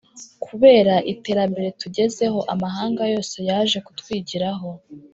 Kubera iterambere tugezeho amahanga yose yaje kutwigiraho